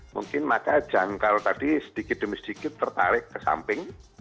mungkin maka jangkal tadi sedikit demi sedikit tertarik ke samping